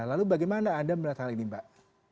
lalu bagaimana anda melihat hal ini mbak